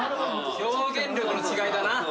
表現力の違いだな。